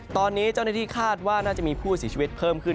ตอนนี้เจ้าหน้าที่คาดว่าน่าจะมีผู้เสียชีวิตเพิ่มขึ้น